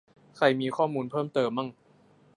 ใครมีข้อมูลเพิ่มเติมมั่ง